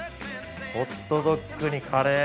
ホットドッグにカレー。